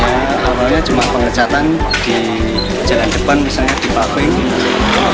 awalnya cuma pengecatan di jalan depan misalnya di paving